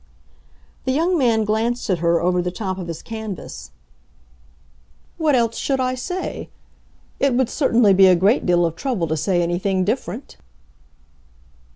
The young man glanced at her over the top of his canvas. "What else should I say? It would certainly be a great deal of trouble to say anything different."